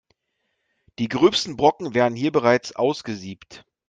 Die gröbsten Brocken werden hier bereits ausgesiebt.